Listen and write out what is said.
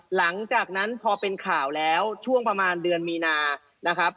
หลังจากนั้นพอเป็นข่าวแล้วช่วงประมาณเดือนมีนานะครับ